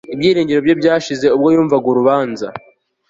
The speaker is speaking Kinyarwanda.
Ibyiringiro bye byashize ubwo yumvaga urubanza